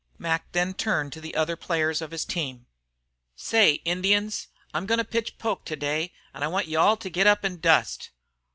Mac then turned to the others of his team. "Say, Indians, I'm goin' to pitch Poke today, an' I want you all to get up an' dust."